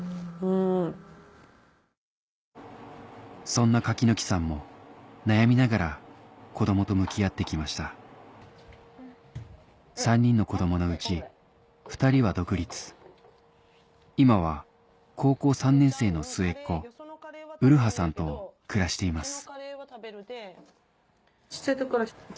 そんな柿木さんも悩みながら子供と向き合って来ました３人の子供のうち２人は独立今は高校３年生の末っ子麗さんと暮らしています